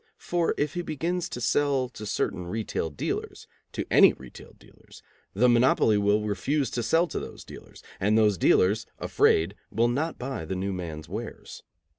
For if he begins to sell to certain retail dealers, to any retail dealers, the monopoly will refuse to sell to those dealers, and those dealers, afraid, will not buy the new man's wares.